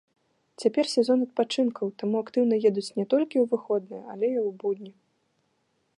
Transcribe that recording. Цяпер сезон адпачынкаў, таму актыўна едуць не толькі ў выходныя, але і ў будні.